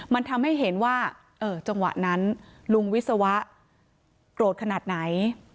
มันทำให้เห็นว่าจังหวะนั้นลุงวิศวะโกรธขนาดไหน